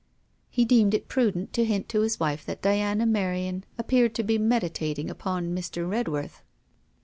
He deemed it prudent to hint to his wife that Diana Merion appeared to be meditating upon Mr. Redworth.